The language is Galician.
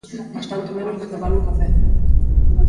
Bastante menos do que vale un café.